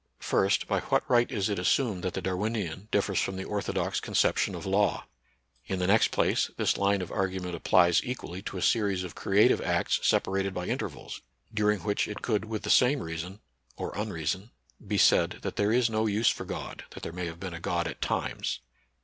First, by what right is it assumed that the Darwinian differs from the orthodox conception of law? In the next place, this line of argument applies equally to a series of creative acts separated by intervals, during which it could with the same reason (or unreason) be said that there is no use for God, that there may have been a God at NATURAL SCIENCE AND RELIGION. 79 times